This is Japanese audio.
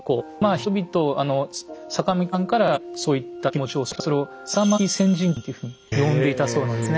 人々あの酒巻さんからそういった気持ちを教わった人はそれを「酒巻戦陣訓」っていうふうに呼んでいたそうなんですね。